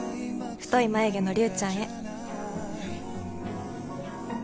「太い眉毛のリュウちゃんへ」